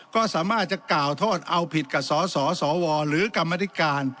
ก็สามารถจะกล่าวโทษเอาผิดกับสสวหรือกรรมธิการ